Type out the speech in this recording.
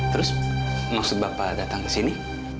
terus maksud bapak datang ke sini